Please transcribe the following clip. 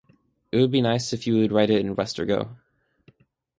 It would be nice if you write it in Rust or Go.